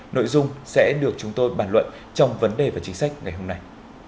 nội dung sẽ được chúng tôi bàn luận trong vấn đề và chính sách ngày hôm nay